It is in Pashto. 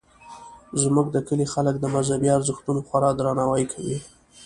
زموږ د کلي خلک د مذهبي ارزښتونو خورا درناوی کوي